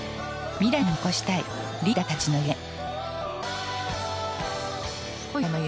未来に残したいリーダーたちの夢。